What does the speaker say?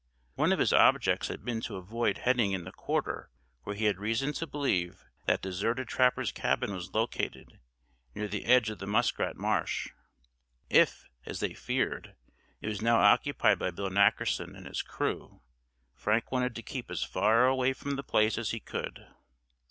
One of his objects had been to avoid heading in the quarter where he had reason to believe that deserted trapper's cabin was located, near the edge of the muskrat marsh. If, as they feared, it was now occupied by Bill Nackerson and his crew, Frank wanted to keep as far away from the place as he could.